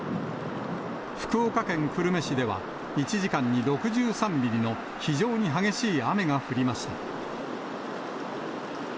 福岡県久留米市では、１時間に６３ミリの非常に激しい雨が降りました。